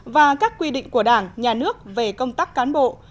và các quy định của đảng nhà nước về công tác cán bộ